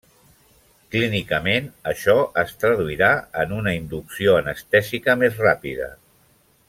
Clínicament, això es traduirà en una inducció anestèsica més ràpida.